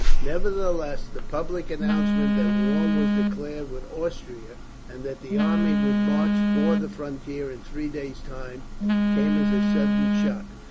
Nevertheless, the public announcement that war was declared with Austria, and that the army would march for the frontier, in three days' time, came as a sudden shock.